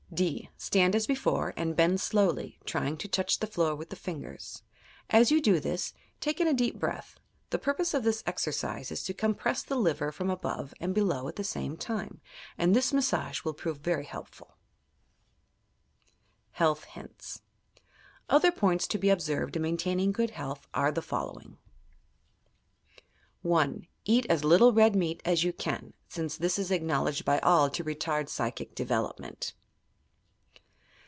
(d) Stand as before and bend slowly, trying to touch the floor with the fingers. As you do this, take iu a deep breath. The purpose of this exercise is to compress the liver from above and below at the same time, and this massage will prove very helpfuL HEALTH H1NT3 Other points to be observed in maintaining good health are the following; 3 YOUR PSYCHIC POWERS 1. Eat as little red meat as you can, since this is acknowledged by all to retard psychic development.